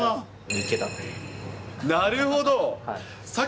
なるほど。